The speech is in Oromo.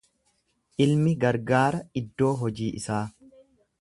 Ilmi gargaara iddoo hojii isaa.